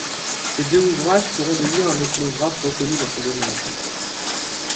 Ces deux ouvrages feront de lui un ethnographe reconnu dans son domaine.